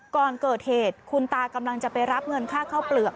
ก่อนเกิดเหตุคุณตากำลังจะไปรับเงินค่าข้าวเปลือก